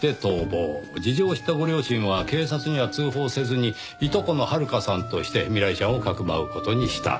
事情を知ったご両親は警察には通報せずにいとこの遥香さんとして未来ちゃんをかくまう事にした。